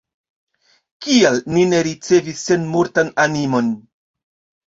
Kial ni ne ricevis senmortan animon?